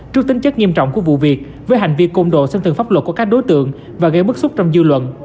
trước tính chất nghiêm trọng của vụ việc với hành vi công độ xâm thường pháp luật của các đối tượng và gây bức xúc trong dư luận